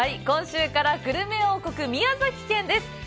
今週からグルメ王国、宮崎県です。